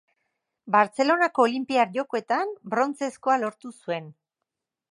Bartzelonako Olinpiar Jokoetan brontzezkoa lortu zuen.